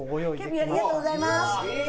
キャビアありがとうございます。